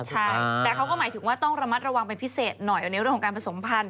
ใช่แต่เขาก็หมายถึงว่าต้องระมัดระวังเป็นพิเศษหน่อยในเรื่องของการผสมพันธ